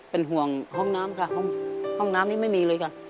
เป็นห่วงห้องน้ำค่ะห้องน้ำนี้ไม่มีเลยค่ะ